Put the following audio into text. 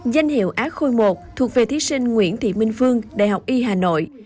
danh hiệu ác khôi i thuộc về thí sinh nguyễn thị minh phương đại học y hà nội